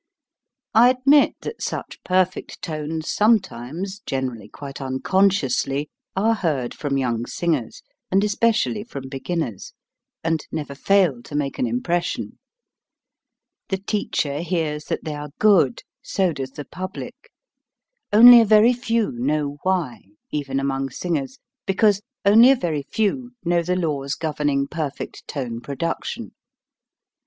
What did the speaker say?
I admit that such perfect tones sometimes, generally quite unconsciously, are heard from young singers, and especially from begin ners, and never fail to make an impression. The teacher hears that they are good, so BREATH AND WHIRLING CURRENTS 37 does the public. Only a very few know why, even among singers, because only a very few know the laws governing perfect tone pro duction.